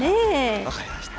分かりました。